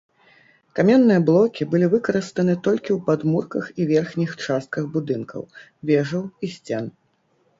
Каменныя блокі былі выкарыстаны толькі ў падмурках і верхніх частках будынкаў, вежаў і сцен.